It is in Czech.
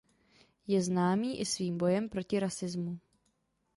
Je známý i svým bojem proti rasismu.